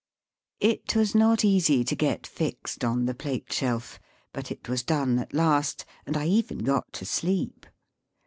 It was not easy to get fixed on the plate shelf, but it was done at last, and I even got to sleep.